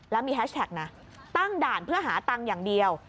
แล้วมีแฮชแท็กนะตั้งด่านเพื่อหาตังค์อย่างเดียว